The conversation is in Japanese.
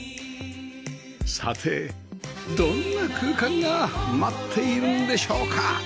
さてどんな空間が待っているんでしょうか？